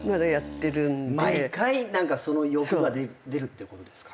毎回その欲が出るってことですか？